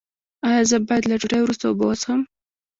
ایا زه باید له ډوډۍ وروسته اوبه وڅښم؟